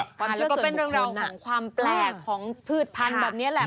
ความเชื่อส่วนบุคคลนะแล้วก็เป็นเรื่องราวของความแปลกของพืชพันธุ์แบบนี้แหละ